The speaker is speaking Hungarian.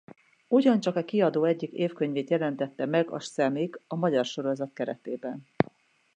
Ugyancsak e kiadó egyik évkönyvét jelentette meg az Semic a magyar sorozat keretében.